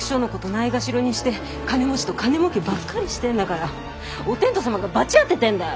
ないがしろにして金持ちと金もうけばっかりしてんだからお天道様が罰当ててんだよ！